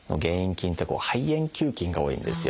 菌って肺炎球菌が多いんですよ。